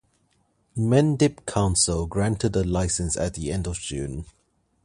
Mendip council granted a licence at the end of June.